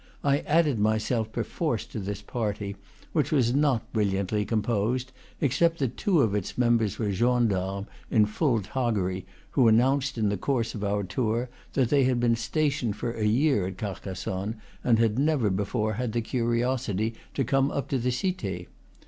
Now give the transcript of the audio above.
I added myself perforce to this party, which was not brilliantly composed, except that two of its members were gendarmes in full toggery, who announced in the course of our tour that they had been stationed for a year at Carcassonne, and had never before had the curiosity to come up to the Cite.